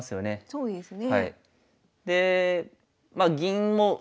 そうですね。